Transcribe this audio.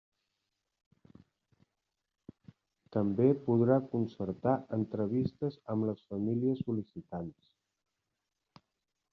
També podrà concertar entrevistes amb les famílies sol·licitants.